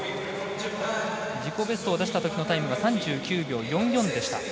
自己ベストを出したときのタイムが３９秒４４でした。